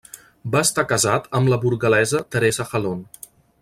Va estar casat amb la burgalesa Teresa Jalón.